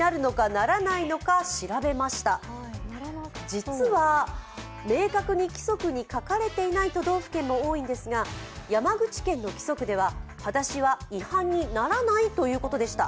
実は明確に規則に書かれていない都道府県も多いんですが山口県の規則でははだしは違反にならないということでした。